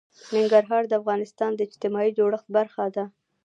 ننګرهار د افغانستان د اجتماعي جوړښت برخه ده.